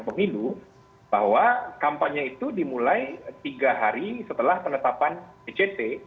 pemilu bahwa kampanye itu dimulai tiga hari setelah penetapan dct